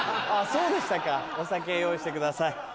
あそうでしたかお酒用意してください。